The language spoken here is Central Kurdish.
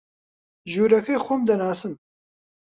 ژوورەکەی خۆم دەناسم